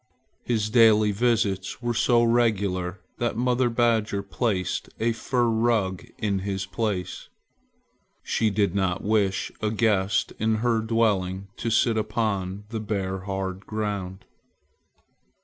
His daily visits were so regular that mother badger placed a fur rug in his place. She did not wish a guest in her dwelling to sit upon the bare hard ground.